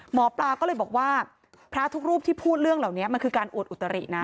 หมอปลาก็เลยบอกว่าพระทุกรูปที่พูดเรื่องเหล่านี้มันคือการอวดอุตรินะ